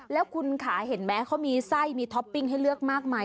แล้วคุณขาเห็นไหมเขามีไส้มีท็อปปิ้งให้เลือกมากมาย